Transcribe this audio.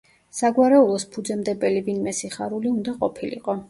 საგვარეულოს ფუძემდებელი ვინმე „სიხარული“ უნდა ყოფილიყო.